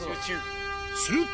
すると。